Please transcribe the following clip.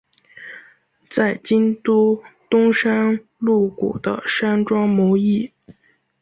在京都东山鹿谷的山庄谋议。